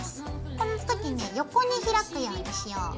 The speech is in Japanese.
このときね横に開くようにしよう。